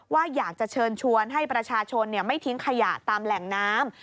ว่าอยากจะเชิญชวนให้ประชาชนไม่ทิ้งขยะตามแหล่งน้ำ